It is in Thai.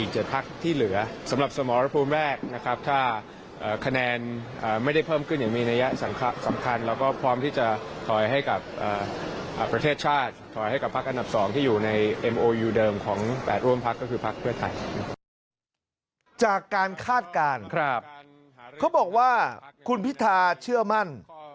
จากการคาดการณ์เขาบอกว่าคุณพิธาเชื่อมั่น